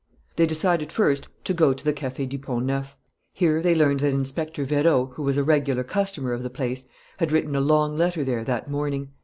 They decided first to go to the Café du Pont Neuf. Here they learned that Inspector Vérot, who was a regular customer of the place, had written a long letter there that morning.